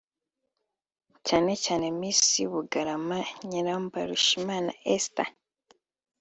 cyane cyane Miss Bugarama Nyirambarushimana Esther